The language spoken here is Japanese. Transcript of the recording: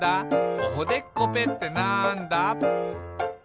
「おほでっこぺってなんだ？」